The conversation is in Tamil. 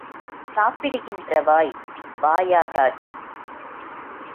சாப்பிடுகின்ற வாய் வாயாகாது.